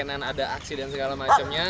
pengenan ada aksi dan segala macamnya